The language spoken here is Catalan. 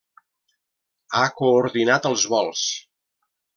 Ha coordinat els vols.